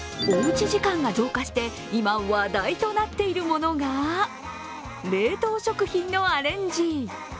おうち時間が増加して、今、話題となっているものが冷凍食品のアレンジ。